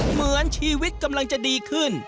เหมือนชีวิตกำลังจะดีขึ้น